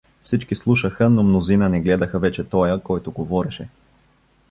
Всички слушаха, но мнозина не гледаха вече тоя, който говореше.